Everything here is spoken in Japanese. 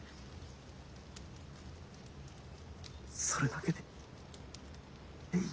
それだけでいい。